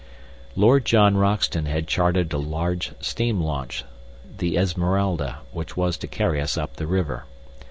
Lord John Roxton has chartered a large steam launch, the Esmeralda, which was to carry us up the river.